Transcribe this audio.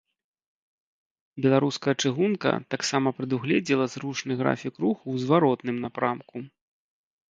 Беларуская чыгунка таксама прадугледзела зручны графік руху ў зваротным напрамку.